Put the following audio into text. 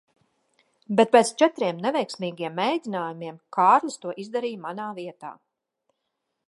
Bet pēc četriem neveiksmīgiem mēģinājumiem, Kārlis to izdarīja manā vietā.